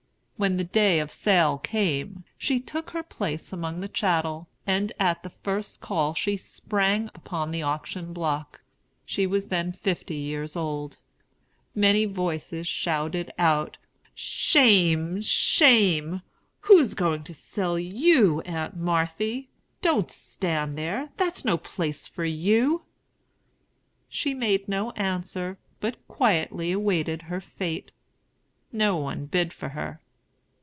When the day of sale came, she took her place among the chattels, and at the first call she sprang upon the auction block. She was then fifty years old. Many voices called out: "Shame! shame! Who's going to sell you, Aunt Marthy? Don't stand there. That's no place for you." She made no answer, but quietly awaited her fate. No one bid for her.